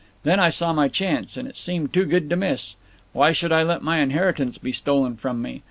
"Then I saw my chance, and it seemed too good to miss. Why should I let my inheritance be stolen from me?